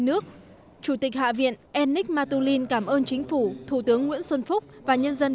nước chủ tịch hạ viện enik matulin cảm ơn chính phủ thủ tướng nguyễn xuân phúc và nhân dân